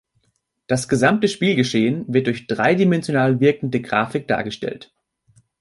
Das gesamte Spielgeschehen wird durch dreidimensional wirkende Grafik dargestellt.